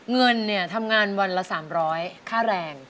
คุณทำงานวันละ๓๐๐บาทค่าแรง